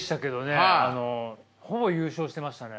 あのほぼ優勝してましたね。